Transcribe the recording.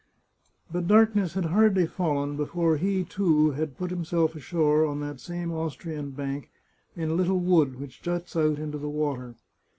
But darkness had hardly fallen before he, too, had himself put ashore on that same Austrian bank, in a little wood which juts out into the water.